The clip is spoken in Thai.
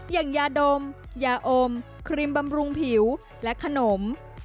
อย่างยาดมยาอมครีมบำรุงผิวและขนม